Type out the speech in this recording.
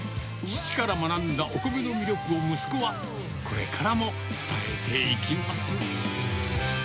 父から学んだお米の魅力を息子はこれからも伝えていきます。